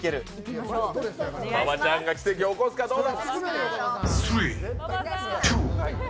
馬場ちゃんが奇跡を起こすかどうか！？